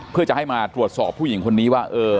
เพื่อจะให้มาตรวจสอบผู้หญิงคนนี้ว่า